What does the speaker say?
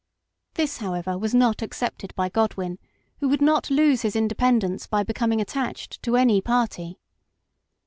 This, however, was not accepted by Godwin, who would not lose his indepen dence by becoming attached to any party.